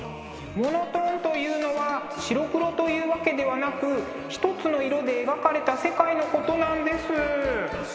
モノトーンというのは白黒というわけではなくひとつの色で描かれた世界のことなんです。